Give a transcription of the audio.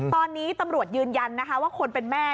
ตอนนี้ตำรวจยืนยันนะคะว่าคนเป็นแม่